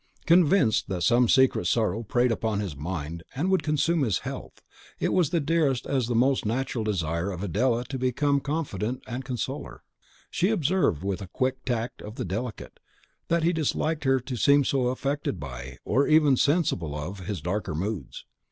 Convinced that some secret sorrow preyed upon his mind, and would consume his health, it was the dearest as the most natural desire of Adela to become his confidant and consoler. She observed, with the quick tact of the delicate, that he disliked her to seem affected by, or even sensible of, his darker moods.